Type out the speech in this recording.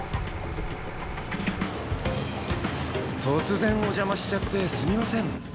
突然お邪魔しちゃってすみません。